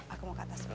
aku mau ke atas dulu